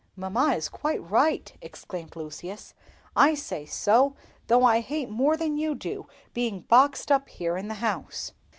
"Mamma is quite right!" exclaimed Lucius. "I say so, though I hate more than you do being boxed up here in the house."